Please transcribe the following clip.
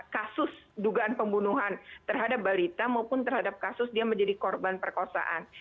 kasus dugaan pembunuhan terhadap balita maupun terhadap kasus dia menjadi korban perkosaan